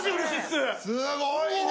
すごいね。